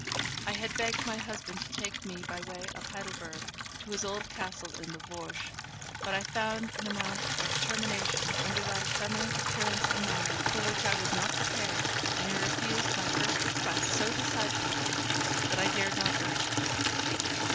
I had begged my husband to take me by way of Heidelberg to his old castle in the Vosges; but I found an amount of determination, under that effeminate appearance and manner, for which I was not prepared, and he refused my first request so decidedly that I dared not urge it.